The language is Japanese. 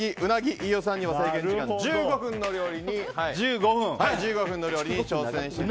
飯尾さんには制限時間１５分の料理に挑戦していただきます。